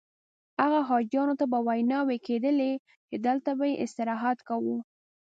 هغه حاجیانو ته به ویناوې کېدلې چې دلته به یې استراحت کاوه.